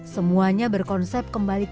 semuanya berkonsep kembalikan